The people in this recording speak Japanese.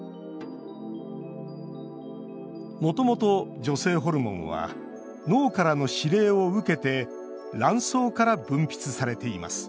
もともと、女性ホルモンは脳からの指令を受けて卵巣から分泌されています。